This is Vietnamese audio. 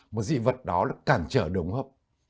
một dị vật đó là cản trở đường hốp